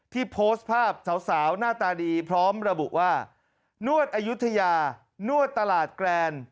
โพสต์ภาพสาวหน้าตาดีพร้อมระบุว่านวดอายุทยานวดตลาดแกรน